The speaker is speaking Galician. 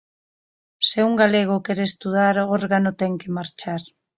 Se un galego quere estudar órgano ten que marchar.